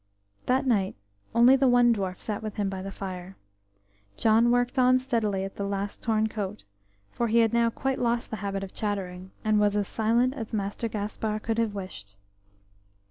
That night only the one dwarf sat with him by the fire. John worked on steadily at the last torn coat, for he had now quite lost the habit of chattering, and was as silent as Master Gaspar could have wished.